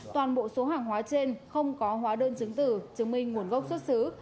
toàn bộ số hàng hóa trên không có hóa đơn chứng tử chứng minh nguồn gốc xuất xứ